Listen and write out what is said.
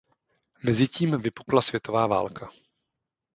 Mezitím vypukla světová válka.